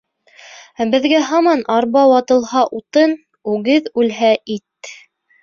Ә беҙгә һаман арба ватылһа — утын, үгеҙ үлһә — ит.